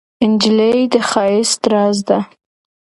نجلۍ د ښایست راز ده.